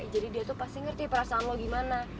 jadi dia tuh pasti ngerti perasaan lo gimana